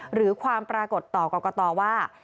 หรือความปรากฏต่อกรกตว่า